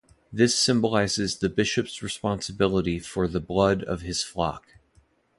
This symbolises the bishop's responsibility for the blood of his flock.